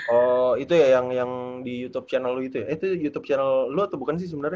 oh itu ya yang di youtube channel lo itu ya itu youtube channel lo atau bukan sih sebenarnya